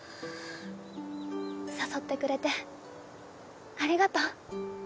誘ってくれてありがとう。